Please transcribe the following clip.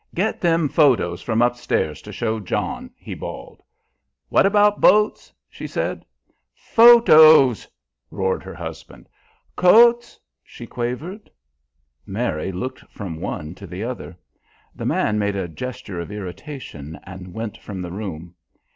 "Get them photos from upstairs to show John," he bawled. "What about boats?" she said. "Photos!" roared her husband. "Coats?" she quavered. Mary looked from one to the other. The man made a gesture of irritation and went from the room.